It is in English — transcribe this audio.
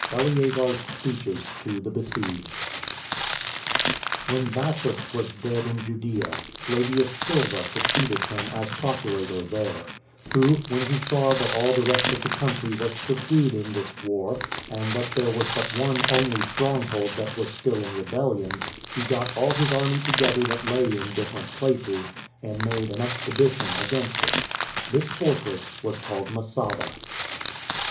Eleazar's Speeches To The Besieged. 1. When Bassus was dead in Judea, Flavius Silva succeeded him as procurator there; who, when he saw that all the rest of the country was subdued in this war, and that there was but one only strong hold that was still in rebellion, he got all his army together that lay in different places, and made an expedition against it. This fortress was called Masada.